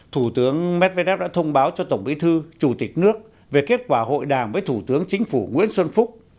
thủ tướng medvedev đã thông báo cho tổng bí thư chủ tịch nước về kết quả hội đàm với thủ tướng chính phủ nguyễn xuân phúc